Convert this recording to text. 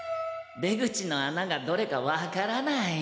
出口のあながどれか分からない。